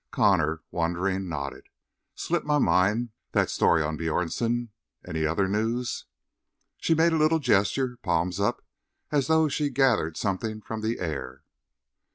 Connor, wondering, nodded. "Slipped my mind, that story of Bjornsen. Any other news?" She made a little gesture, palms up, as though she gathered something from the air.